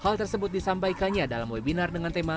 hal tersebut disampaikannya dalam webinar dengan tema